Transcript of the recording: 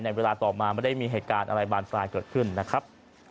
เวลาต่อมาไม่ได้มีเหตุการณ์อะไรบานปลายเกิดขึ้นนะครับ